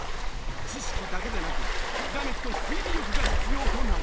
知識だけでなくひらめきと推理力が必要となる。